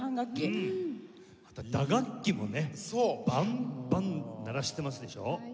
また打楽器もねバンバン鳴らしてますでしょ？